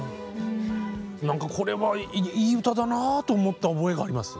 なんかこれはいい歌だなぁと思った覚えがあります。